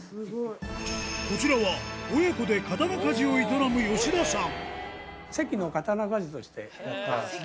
こちらは親子で刀鍛冶を営む田さん